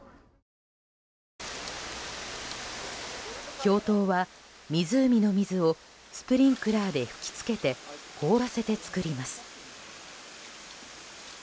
氷濤は、湖の水をスプリンクラーで噴きつけて凍らせて作ります。